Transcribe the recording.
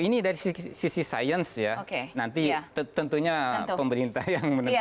ini dari sisi sains ya nanti tentunya pemerintah yang menentukan